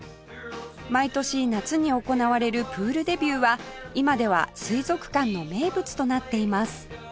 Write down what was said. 毎年夏に行われるプールデビューは今では水族館の名物となっています